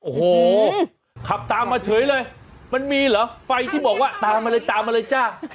โอ้โหขับตามมาเฉยเลยมันมีเหรอไฟที่บอกว่าตามมาเลยตามมาเลยจ้า